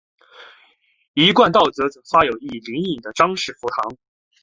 一贯道则有发一灵隐的张氏佛堂。